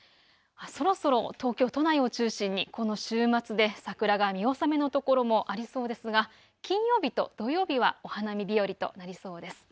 そろそろ東京都内を中心にこの週末で桜が見納めの所もありそうですが、金曜日と土曜日はお花見日和となりそうです。